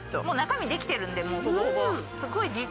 もう中身できてるんでほぼほぼ。